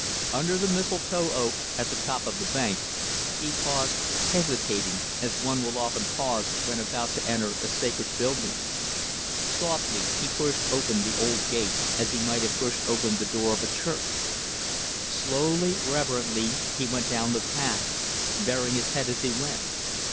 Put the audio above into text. Under the mistletoe oak, at the top of the bank, he paused, hesitating as one will often pause when about to enter a sacred building. Softly, he pushed open the old gate, as he might have pushed open the door of a church. Slowly, reverently, he went down the path; baring his head as he went.